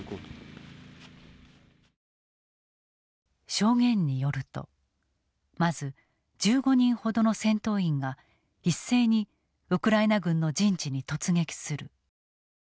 証言によるとまず１５人ほどの戦闘員が一斉にウクライナ軍の陣地に突撃する。